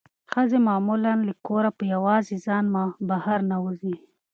ښځې معمولا له کوره په یوازې ځان بهر نه وځي.